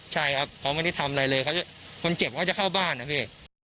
ใช่ครับเขาไม่ได้ทำอะไรเลยคนเจ็บเขาจะเข้าบ้านนะพี่